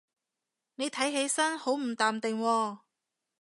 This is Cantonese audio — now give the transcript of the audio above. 你睇起身好唔淡定喎